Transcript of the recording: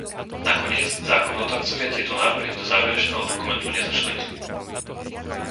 Nakoniec zákonodarcovia tieto návrhy do záverečného dokumentu nezačlenili.